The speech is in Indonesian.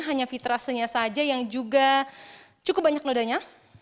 hanya fitrasenya saja yang juga cukup banyak nodanya